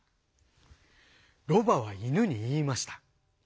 ロバはイヌにいいました。